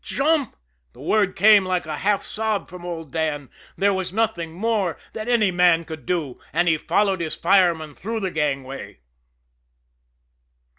"Jump!" The word came like a half sob from old Dan. There was nothing more that any man could do. And he followed his fireman through the gangway.